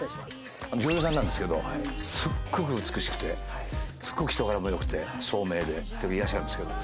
女優さんなんですけどすっごく美しくてすっごく人柄も良くて聡明でっていう方がいらっしゃるんですけど。